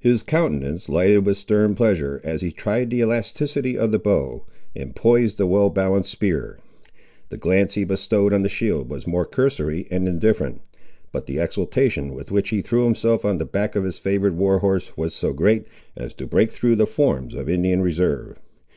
His countenance lighted with stern pleasure, as he tried the elasticity of the bow, and poised the well balanced spear. The glance he bestowed on the shield was more cursory and indifferent; but the exultation with which he threw himself on the back of his favoured war horse was so great, as to break through the forms of Indian reserve.